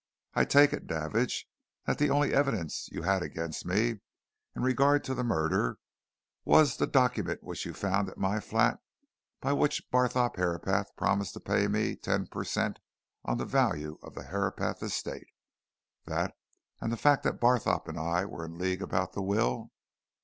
I take it, Davidge, that the only evidence you had against me in regard to the murder was the document which you found at my flat, by which Barthorpe Herapath promised to pay me ten per cent. on the value of the Herapath estate? That and the fact that Barthorpe and I were in league about the will?